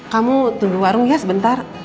kamu tunggu warung ya sebentar